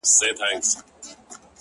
يه پر ما گرانه ته مي مه هېروه،